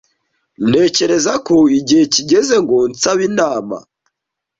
Ntekereza ko igihe kigeze ngo nsabe inama.